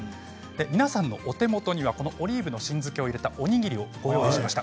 皆さんの手元にはオリーブの新漬けを入れたおにぎりをご用意しました。